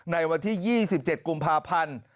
ในวันที่๒๗กุมภาพันธ์